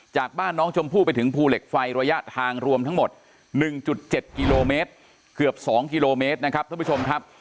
จากบ้านน้องชมพู่ไปถึงภูเหล็กไฟระยะทางรวมทั้งหมด๑๗กิโลเมตรเกือบ๒กิโลเมตรนะครับท่านผู้ชมครับ